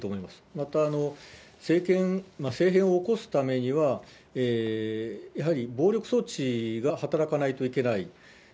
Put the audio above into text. また政権、政変を起こすためには、やはり暴力装置が働かないといけない。